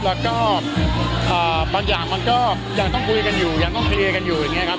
แล้วก็บางอย่างมันก็ยังต้องคุยกันอยู่ยังต้องเคลียร์กันอยู่อย่างนี้ครับ